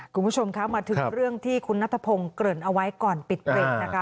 คุณผู้ชมคะมาถึงเรื่องที่คุณนัทพงศ์เกริ่นเอาไว้ก่อนปิดเบรกนะคะ